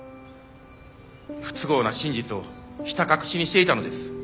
不都合な真実をひた隠しにしていたのです。